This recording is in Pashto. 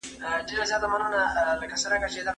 که مالیه د بانک له لاري تحویل سي، نو فساد نه رامنځته کیږي.